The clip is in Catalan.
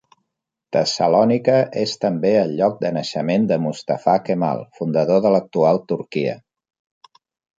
Tessalònica és també el lloc de naixement de Mustafa Kemal, fundador de l'actual Turquia.